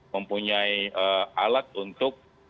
mempunyai alat untuk